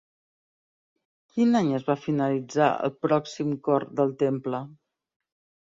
Quin any es va finalitzar el pròxim cor del temple?